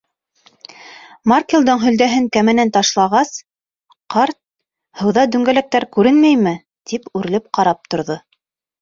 Макрелдең һөлдәһен кәмәнән ташлағас, ҡарт, һыуҙа дүңгәләктәр күренмәйме, тип үрелеп ҡарап торҙо.